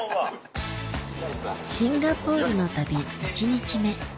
シンガポールの旅１日目